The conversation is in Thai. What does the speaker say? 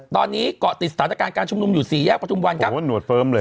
ตอนนี้เกาะติดสถานการณ์การชุมนุมอยู่สี่แยกประทุมวันครับโอ้หนวดเฟิร์มเลย